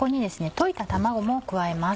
溶いた卵も加えます。